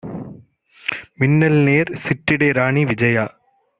மின்னல்நேர் சிற்றிடை ராணி விஜயா